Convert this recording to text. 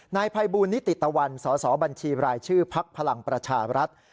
นายภัยบูลนิติตะวันสสบัญชีรายชื่อพักพลังประชารัฐ